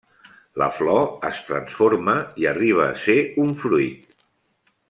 La flor es transforma i arriba a ser un fruit.